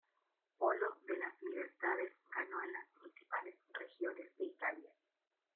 Polo de las Libertades ganó en las principales regiones de Italia.